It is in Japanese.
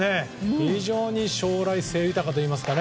非常に将来性が豊かといいますかね。